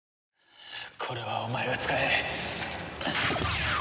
これはお前が使え。